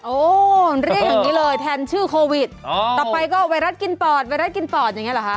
เรียกอย่างนี้เลยแทนชื่อโควิดต่อไปก็ไวรัสกินปอดไวรัสกินปอดอย่างนี้เหรอคะ